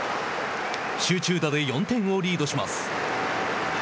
集中打で４点をリードします。